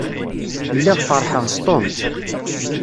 Lliɣ feṛḥeɣ s Tom.